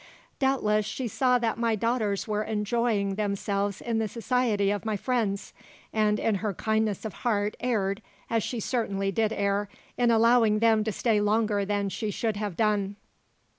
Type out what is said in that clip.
Doubtless she saw that my daughters were enjoying themselves in the society of my friends, and in her kindness of heart erred, as she certainly did err, in allowing them to stay longer than she should have done.